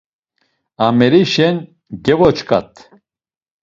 Amerişen gevoç̌ǩat.